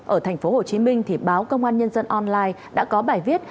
ở tp hcm thì báo công an nhân dân online đã có bài viết